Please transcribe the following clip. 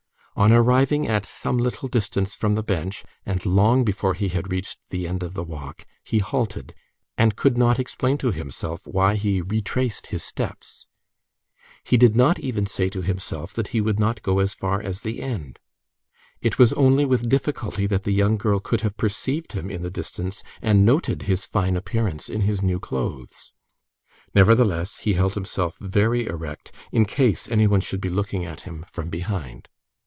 On arriving at some little distance from the bench, and long before he had reached the end of the walk, he halted, and could not explain to himself why he retraced his steps. He did not even say to himself that he would not go as far as the end. It was only with difficulty that the young girl could have perceived him in the distance and noted his fine appearance in his new clothes. Nevertheless, he held himself very erect, in case any one should be looking at him from behind.